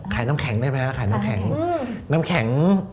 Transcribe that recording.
ขายน้ำแข็งได้ไหมคะขายน้ำแข็ง